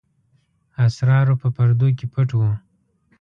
اسرارو په پردو کې پټ وو.